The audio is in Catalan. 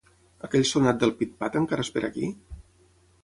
Aquell sonat del Pit-Pat encara és per aquí?